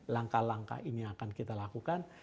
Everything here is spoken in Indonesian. langkah langkah ini akan kita lakukan